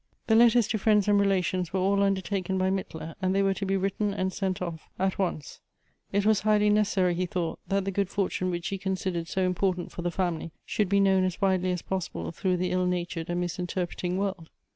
The letters to friends and relations were all undertaken by Mittler, and they were to be written and sent off at Elective Affinities. 233 once. It was highly necessary, he thought, th.it the good fortune which he considered so important for the family, should be known as widely as possible through the ill natured and misinterpreting world.